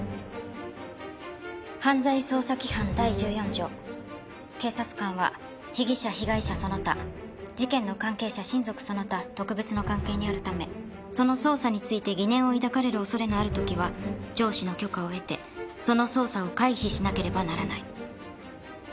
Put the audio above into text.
犯罪捜査規範第１４条警察官は被疑者被害者その他事件の関係者親族その他特別の関係にあるためその捜査について疑念を抱かれる恐れのある時は上司の許可を得てその捜査を回避しなければならない。